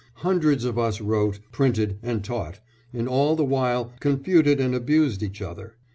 "Hundreds of us wrote, printed, and taught, and all the while confuted and abused each other.